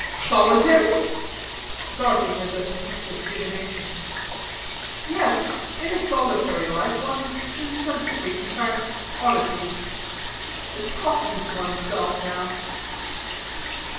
"Solitary?" starting as at a touch of divination. "Yes: in a solitary life one insensibly contracts oddities, talking to one's self now."